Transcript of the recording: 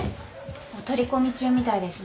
お取り込み中みたいですね。